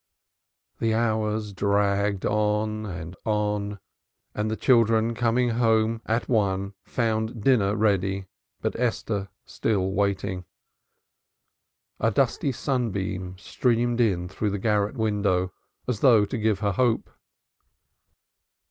The hours dragged on and on, and the children coming home at one found dinner ready but Esther still waiting. A dusty sunbeam streamed in through the garret window as though to give her hope.